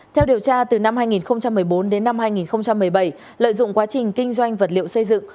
theo điều tra từ năm hai nghìn một mươi bốn đến năm hai nghìn một mươi bảy lợi dụng quá trình kinh doanh vật liệu xây dựng